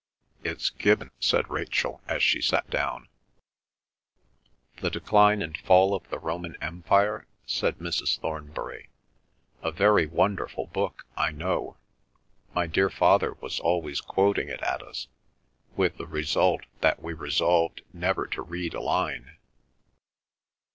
"It's Gibbon," said Rachel as she sat down. "The Decline and Fall of the Roman Empire?" said Mrs. Thornbury. "A very wonderful book, I know. My dear father was always quoting it at us, with the result that we resolved never to read a line."